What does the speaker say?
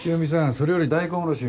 それより大根おろしを。